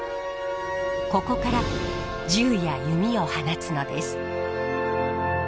ここから銃や弓を放つのです。